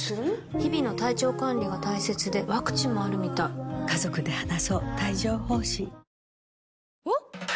日々の体調管理が大切でワクチンもあるみたいこれですね。